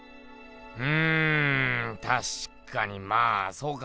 うんたしかにまあそうか。